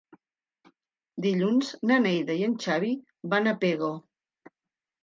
Dilluns na Neida i en Xavi van a Pego.